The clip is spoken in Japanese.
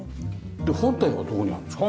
本体はどこにあるんですか？